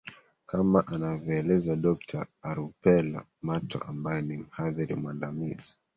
kama anavyoeleza dokta arupela mato ambaye ni mhadhiri mwandamizi